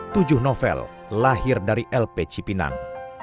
tujuh novel lahir dari lp cipinang